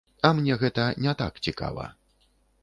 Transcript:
А мне гэта не так цікава.